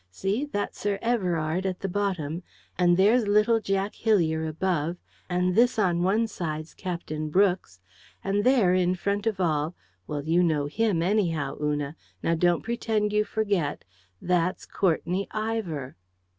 See, that's Sir Everard at the bottom; and there's little Jack Hillier above; and this on one side's Captain Brooks; and there, in front of all well, you know HIM anyhow, Una. Now, don't pretend you forget! That's Courtenay Ivor!"